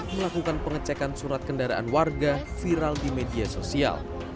melakukan pengecekan surat kendaraan warga viral di media sosial